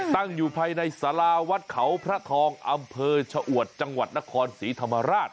ตั้งอยู่ภายในสาราวัดเขาพระทองอำเภอชะอวดจังหวัดนครศรีธรรมราช